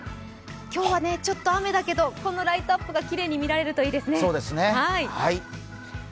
今日は雨だけど、このライトアップがきれいに見られるといいですね。